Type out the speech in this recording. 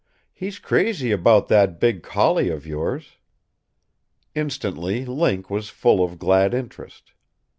He's crazy about that big collie of yours." Instantly Link was full of glad interest.